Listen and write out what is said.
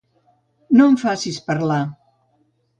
No em facis parlar.